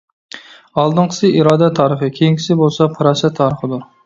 ئالدىنقىسى ئىرادە تارىخى، كېيىنكىسى بولسا پاراسەت تارىخىدۇر.